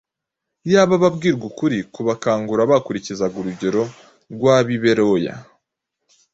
iyaba ababwirwa ukuri kubakangura bakurikizaga urugero rw’ab’i Beroya,